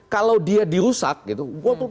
kalau dia dirusak gitu